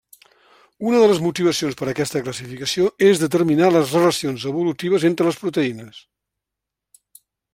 Una de les motivacions per aquesta classificació és determinar les relacions evolutives entre les proteïnes.